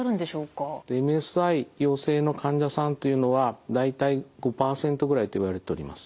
ＭＳＩ陽性の患者さんというのは大体５％ぐらいといわれております。